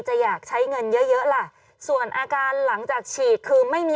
อยากใช้เงินเยอะเยอะล่ะส่วนอาการหลังจากฉีดคือไม่มี